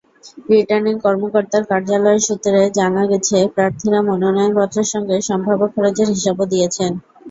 Returning কর্মকর্তার কার্যালয় সূত্রে জানা গেছে, প্রার্থীরা মনোনয়নপত্রের সঙ্গে সম্ভাব্য খরচের হিসাবও দিয়েছেন।